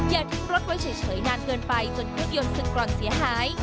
อย่าทิ้งรถไว้เฉยนานเกินไปจนเครื่องยนต์สึกกร่อนเสียหาย